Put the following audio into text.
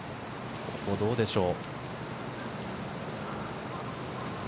ここはどうでしょう。